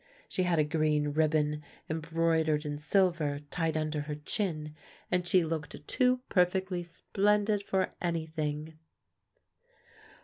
She had a green ribbon embroidered in silver tied under her chin, and she looked too perfectly splendid for anything.